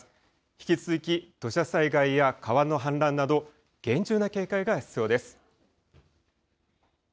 引き続き土砂災害や川の氾濫など厳重な警戒が必要です。